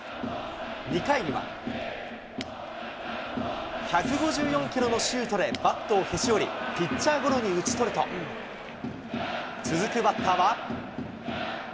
２回には、１５４キロのシュートでバットをへし折り、ピッチャーゴロに打ち取ると、続くバッターは。